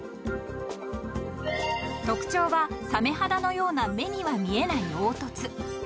［特徴はさめ肌のような目には見えない凹凸］